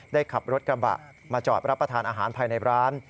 ขับรถกระบะมาจอดรับประทานอาหารภายในร้าน